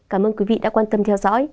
cảm ơn quý vị đã quan tâm theo dõi